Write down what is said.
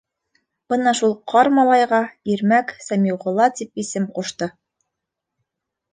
Бына шул ҡар малайға Ирмәк Сәмиғулла тип исем ҡушты.